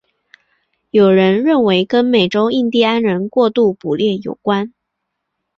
有人认为跟美洲印第安人过度捕猎有关。